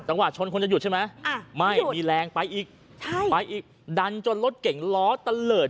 ตั้งว่าชนคุณจะหยุดใช่ไหมไม่มีแรงไปอีกไปอีกดันจนรถเก่งล้อตะเลิด